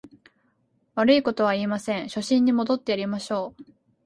悪いことは言いません、初心に戻ってやりましょう